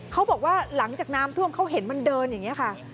เขาบอกว่าหลังจากน้ำท่วมเขาเห็นมันเดินอย่างนี้ค่ะ